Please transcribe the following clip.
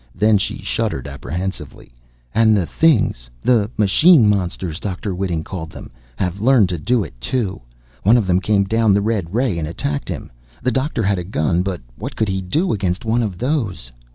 Then she shuddered apprehensively. "And the things the machine monsters, Dr. Whiting called them have learned to do it, too. One of them came down the red ray, and attacked him. The doctor had a gun but what could he do against one of those?"